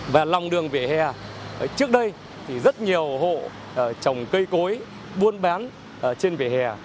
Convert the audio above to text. và lòng đường vỉa hè trước đây thì rất nhiều hộ trồng cây cối buôn bán trên vỉa hè